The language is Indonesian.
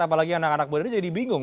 apalagi anak anak muda ini jadi bingung